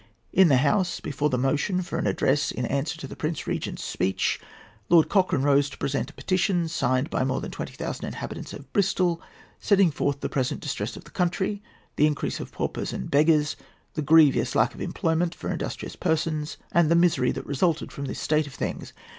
In the House, before the motion for an address in answer to the Prince Regent's speech, Lord Cochrane rose to present a petition, signed by more than twenty thousand inhabitants of Bristol, setting forth the present distress of the country, the increase of paupers and beggars, the grievous lack of employment for industrious persons, and the misery that resulted from this state of things.